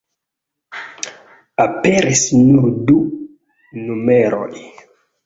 Aperis nur du numeroj.